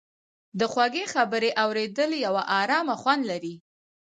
د خوږې خبرې اورېدل یو ارامه خوند لري.